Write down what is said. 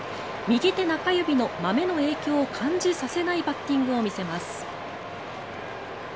右手中指のまめの影響を感じさせないバッティングを見せます。